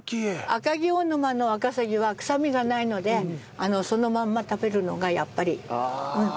赤城大沼のワカサギはくさみがないのでそのまま食べるのがやっぱりおいしいと思います。